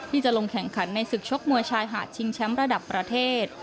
ที่จะลงแข่งขันในศึกชกมวยชายหาดชิงแชมป์ระดับประเทศ